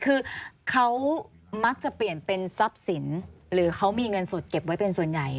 คือเขามักจะเปลี่ยนเป็นทรัพย์สินหรือเขามีเงินสดเก็บไว้เป็นส่วนใหญ่